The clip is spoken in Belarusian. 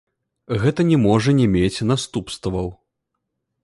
Гэта не можа не мець наступстваў.